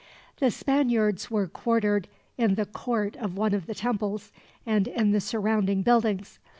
The Spaniards were quartered in the court of one of the temples, and in the surrounding buildings.